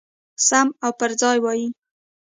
سم او پرځای وای.